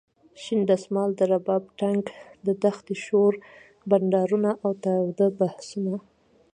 شین دسمال ،د رباب ټنګ د دښتې شور ،بنډارونه اوتاوده بحثونه.